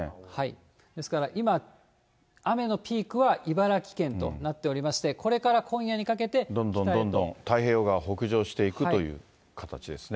ですから今、雨のピークは茨城県となっておりまして、これから今夜にかけて、どんどんどんどん太平洋側北上していくという形ですね。